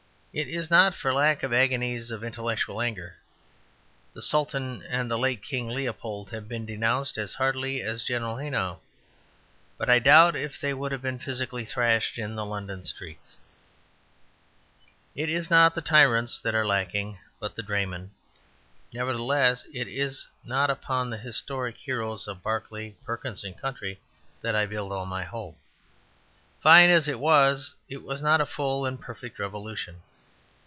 It is not for lack of agonies of intellectual anger: the Sultan and the late King Leopold have been denounced as heartily as General Haynau. But I doubt if they would have been physically thrashed in the London streets. It is not the tyrants that are lacking, but the draymen. Nevertheless, it is not upon the historic heroes of Barclay, Perkins and Co. that I build all my hope. Fine as it was, it was not a full and perfect revolution.